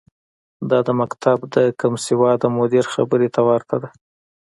دا د مکتب د کمسواده مدیر خبرې ته ورته ده.